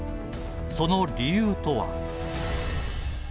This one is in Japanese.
その理由とは。